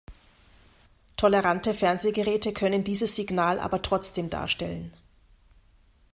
Tolerante Fernsehgeräte können dieses Signal aber trotzdem darstellen.